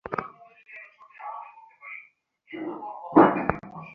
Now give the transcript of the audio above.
তাঁহার সকল উপদেশের প্রতি নির্মলার তর্কবিহীন বিনম্র শ্রদ্ধার কথা মনে পড়িল।